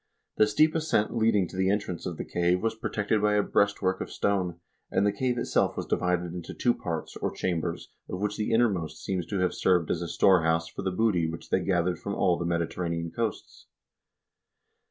The steep ascent leading to the entrance of the cave was protected by a breastwork of stone, and the cave itself was divided into two parts, or chambers, of which the innermost seems to have served as a storehouse for the booty which they gathered from all the Medi terranean coasts.